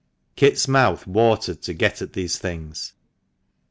Kit's mouth watered to get at these things.